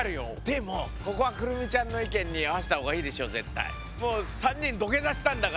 でもここは来泉ちゃんの意見に合わせた方がいいでしょ絶対。